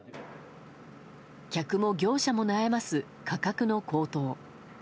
客も業者も悩ます価格の高騰。